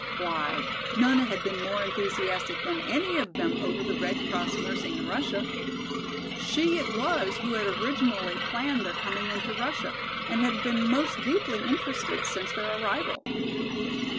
Why, Nona had been more enthusiastic than any one of them over the Red Cross nursing in Russia! She it was who had originally planned their coming into Russia and had been most deeply interested since their arrival.